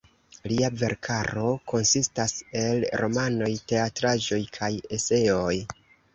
Lia verkaro konsistas el romanoj, teatraĵoj kaj eseoj.